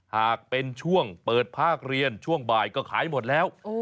หากเป็นช่วงเปิดภาคเรียนช่วงบ่ายก็ขายหมดแล้ว